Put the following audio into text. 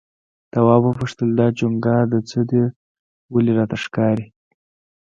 تواب وپوښتل دا چونگا د څه ده ولې راته ښکاري؟